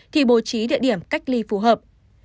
thì bố trí địa điểm cách ly phù hợp